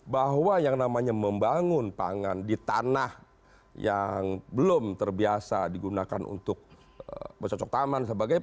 bahwa yang namanya membangun pangan di tanah yang belum terbiasa digunakan untuk mencocok taman